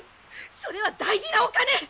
それは大事なお金。